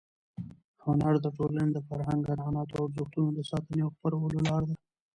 هنر د ټولنې د فرهنګ، عنعناتو او ارزښتونو د ساتنې او خپرولو لار ده.